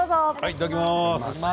いただきます。